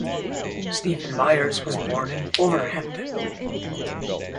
Stephen Byers was born in Wolverhampton.